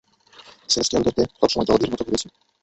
সেলেস্টিয়ালদেরকে সবসময় জলধির মত ভেবেছি।